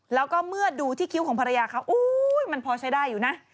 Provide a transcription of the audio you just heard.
แล้วก็เมื่อดูที่คิ้วของภรรยาเขามันพอใช้ได้อยู่นะ